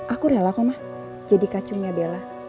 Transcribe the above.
aku rela kok mah jadi kacungnya bella